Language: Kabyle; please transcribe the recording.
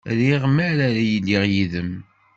Riɣ mi ara iliɣ yid-m.